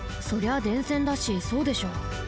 そりゃ電線だしそうでしょ。